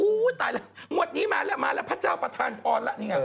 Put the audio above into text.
อุ้ยตายแล้วหมวดนี้มาแล้วมาแล้วพระเจ้าประทานพอลล่ะ